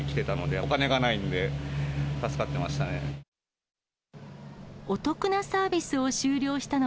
お金がないので、助かってましたね。